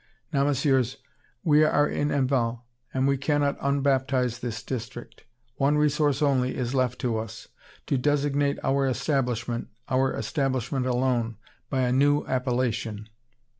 Now, Messieurs, we are in Enval, and we can not unbaptize this district. One resource only is left to us. To designate our establishment, our establishment alone, by a new appellation.